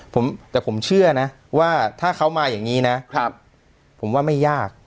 แต่ผมเชื่อนะว่าถ้าเขามาอย่างนี้นะผมว่าไม่ยาก